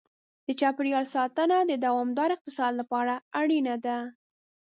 د چاپېریال ساتنه د دوامدار اقتصاد لپاره اړینه ده.